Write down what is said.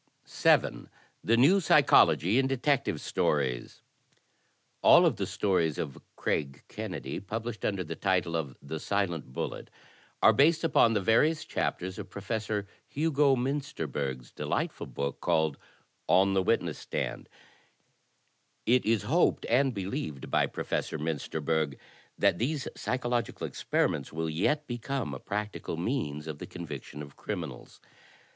7. The New Psychology in Detective Stories _m All of the stories of Craig Kennedy published under the title of "The Silent Bullet" are based upon the various chapters of Professor Hugo Miinsterberg's delightful book called "On The Witness Stand:" It is hoped and believed by Professor Miinsterberg that these psychological experi ments will yet become a practical means of the conviction of criminals.